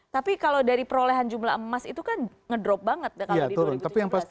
tapi kalau dari perolehan jumlah emas itu kan ngedrop banget kalau di dua ribu tujuh belas